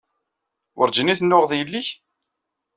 Werǧin i tennuɣeḍ yelli-k?